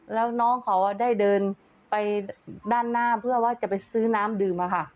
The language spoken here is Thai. แล้วน้องเขาได้เดินไปด้านหน้าเพื่อว่าจะไปซื้อน้ำดื่มค่ะ